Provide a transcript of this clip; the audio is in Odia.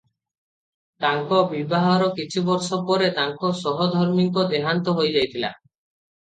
ତାଙ୍କ ବିବାହର କିଛି ବର୍ଷ ପରେ ତାଙ୍କ ସହଧର୍ମୀଙ୍କ ଦେହାନ୍ତ ହୋଇଯାଇଥିଲା ।